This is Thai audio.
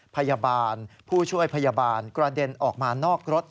พยาบาลผู้ช่วยพยาบาลกระเด็นออกมานอกรถ